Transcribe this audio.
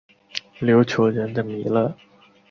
琉球人的弥勒。